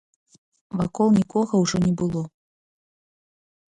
Вакол нікога ўжо не было.